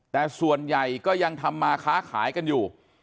แต่ส่วนใหญ่ก็ยังทำมาค้าขายกันอยู่